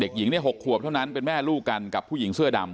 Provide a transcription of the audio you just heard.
หญิง๖ขวบเท่านั้นเป็นแม่ลูกกันกับผู้หญิงเสื้อดำ